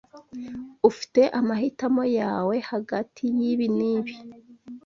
Ufite amahitamo yawe hagati yibi n'ibi.